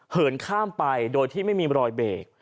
เหินข้ามไปโดยที่ไม่มีรอยเบรก